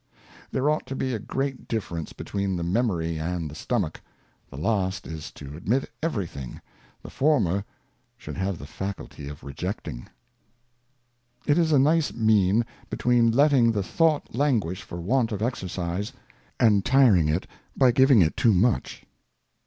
There ought to be a great Difference between the Memory and the Stomach ; the last is to admit every thing, the former should have the Faculty of Rejecting. It is a nice Mean between letting the Thought languish for want of Exercise, and tiring it by giving it too much.